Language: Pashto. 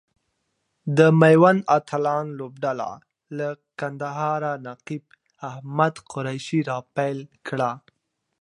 د ميوند اتلان لوبډله له کندهاره نقیب احمد قریشي را پیل کړه.